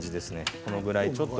このぐらい。